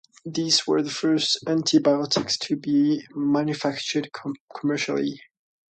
These were the first antibiotics to be manufactured commercially.